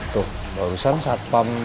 tuh barusan saat pam